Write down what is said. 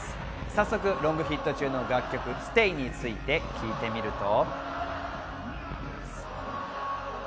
早速ロングヒット中の楽曲『ＳＴＡＹ』について聞いてみると。